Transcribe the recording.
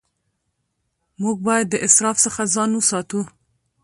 موږ باید د اسراف څخه ځان وساتو